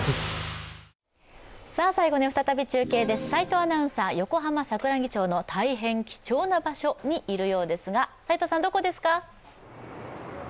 齋藤アナウンサー、横浜・桜木町の大変貴重な場所にいるようですが齋藤さん、どこですか？